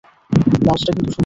ব্লাউজটা কিন্তু সুন্দর।